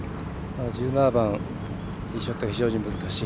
１７番、ティーショット非常に難しい。